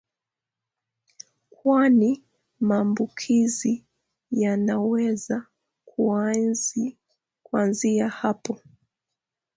kwani maambukizi yanaweza kuanzia hapo.